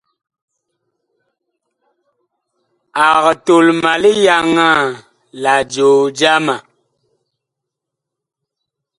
Ag tol ma liyaŋaa la joo jama.